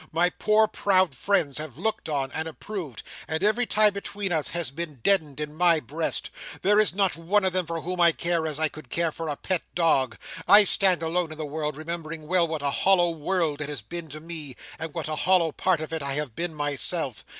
My poor, proud friends, have looked on and approved; and every tie between us has been deadened in my breast. There is not one of them for whom I care, as I could care for a pet dog. I stand alone in the world, remembering well what a hollow world it has been to me, and what a hollow part of it I have been myself.